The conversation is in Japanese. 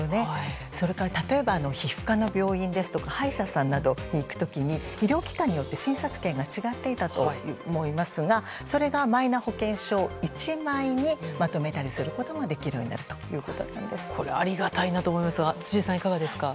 それから例えば皮膚科の病院ですとか歯医者さんなどに行く時に医療機関によって診察券が違っていたと思いますがそれがマイナ保険証１枚にまとめたりすることもありがたいなと思いますが辻さん、いかがですか？